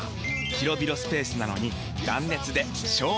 広々スペースなのに断熱で省エネ！